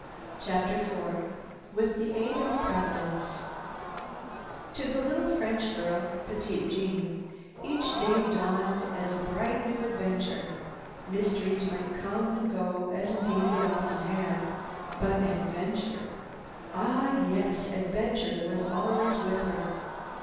CHAPTER IV WITH THE AID OF PROVIDENCE To the little French girl, Petite Jeanne, each day dawned as a bright new adventure. Mysteries might come and go, as indeed they often had, but adventure! Ah yes, adventure was always with her.